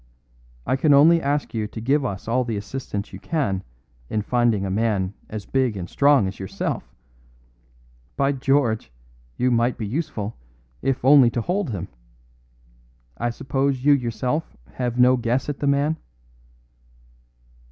I can only ask you to give us all the assistance you can in finding a man as big and strong as yourself. By George! you might be useful, if only to hold him! I suppose you yourself have no guess at the man?"